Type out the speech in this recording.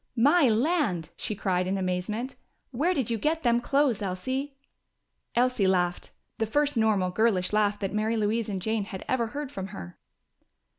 "My land!" she cried in amazement. "Where did you get them clothes, Elsie?" Elsie laughed; the first normal, girlish laugh that Mary Louise and Jane had ever heard from her.